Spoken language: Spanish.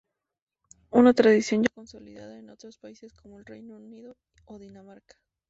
Una tradición ya consolidada en otros países, como el Reino Unido o Dinamarca.